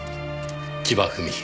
千葉文宏。